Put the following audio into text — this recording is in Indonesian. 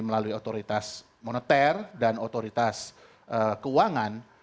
melalui otoritas moneter dan otoritas keuangan